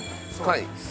はい。